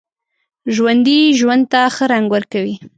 ژوندي ژوند ته ښه رنګ ورکوي